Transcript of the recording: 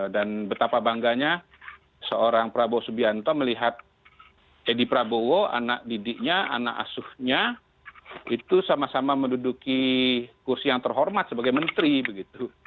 dan betapa bangganya seorang prabowo subianto melihat edi prabowo anak didiknya anak asuhnya itu sama sama menduduki kursi yang terhormat sebagai menteri begitu